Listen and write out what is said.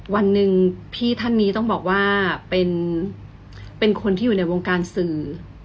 วันหนึ่งพี่ท่านนี้ต้องบอกว่าเป็นคนที่อยู่ในวงการสื่อ